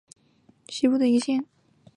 谢尔比县是美国爱阿华州西部的一个县。